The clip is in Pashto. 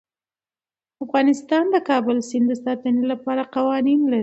افغانستان د د کابل سیند د ساتنې لپاره قوانین لري.